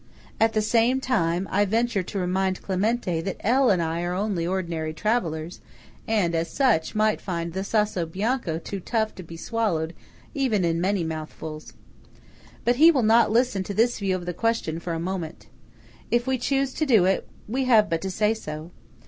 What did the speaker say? At the same time, I venture to remind Clementi that L. and I are only "ordinary travellers" and, as such, might find the Sasso Bianco too tough to be swallowed in even many mouthfuls. But he will not listen to this view of the question for a moment. If we choose to do it, we have but to say so.